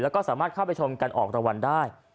แล้วก็สามารถเข้าไปชมการออกรางวัลได้